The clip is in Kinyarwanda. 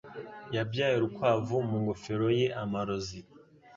Yabyaye urukwavu mu ngofero ye amarozi.